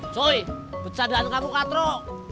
cuy becah daun kamu katro